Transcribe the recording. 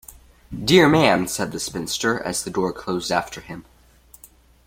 ‘Dear man!’ said the spinster, as the door closed after him.